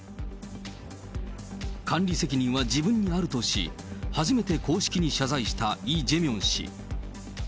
管理責任は自分にあるとし、初めて公式に謝罪したイ・ジェミョン氏。